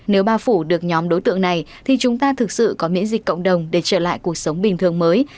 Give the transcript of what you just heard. nếu bao phủ được nhóm đối tượng này thì chúng ta thực sự có miễn dịch cộng đồng để trở lại cuộc sống bình thường mới